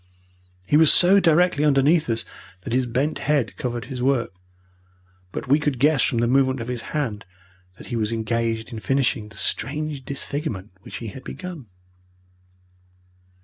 He was so directly underneath us that his bent head covered his work, but we could guess from the movement of his hand that he was engaged in finishing the strange disfigurement which he had begun.